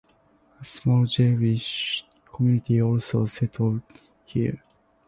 A small Jewish community also settled here.